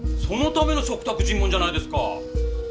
そのための嘱託尋問じゃないですか！